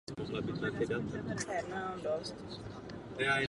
V současnosti má charakter přístavního městečka.